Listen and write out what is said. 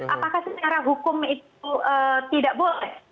apakah secara hukum itu tidak boleh